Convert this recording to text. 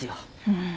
うん。